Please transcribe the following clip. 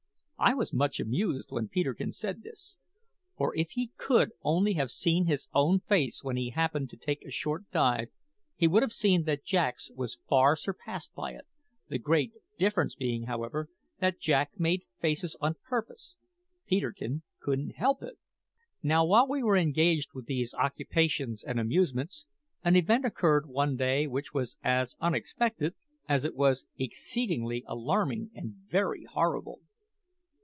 I was much amused when Peterkin said this; for if he could only have seen his own face when he happened to take a short dive, he would have seen that Jack's was far surpassed by it the great difference being, however, that Jack made faces on purpose, Peterkin couldn't help it! Now, while we were engaged with these occupations and amusements, an event occurred one day which was as unexpected as it was exceedingly alarming and very horrible.